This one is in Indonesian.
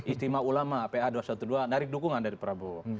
istimewa ulama pa dua ratus dua belas narik dukungan dari prabowo